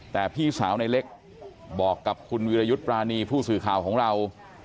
แต่พี่สาวในเล็กบอกกับคุณวิรยุทธ์ปรานีผู้สื่อข่าวของเรา